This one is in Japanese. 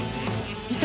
いた！